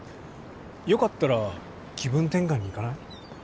よかったら気分転換に行かない？